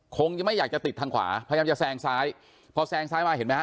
คงจะไม่อยากจะติดทางขวาพยายามจะแซงซ้ายพอแซงซ้ายมาเห็นไหมฮ